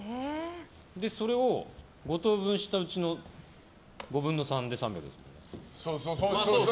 それを５等分したうちの５分の３で３００ですもんね。